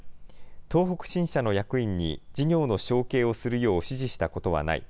東北新社の役員に事業の承継をするよう指示したことはない。